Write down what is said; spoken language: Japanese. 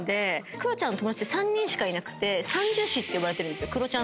クロちゃんの友達って３人しかいなくて三銃士って呼ばれてるんですよ。